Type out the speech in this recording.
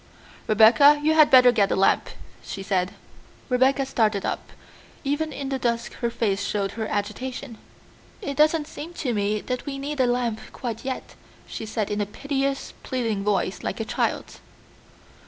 "Rebecca, you had better get a lamp," she said. Rebecca started up; even in the dusk her face showed her agitation. "It doesn't seem to me that we need a lamp quite yet," she said in a piteous, pleading voice like a child's.